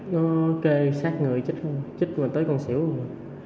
nó kê sát người chích mình tới con xỉu rồi